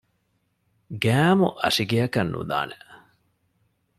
ގައިމު އަށިގެއަކަށް ނުލާނެ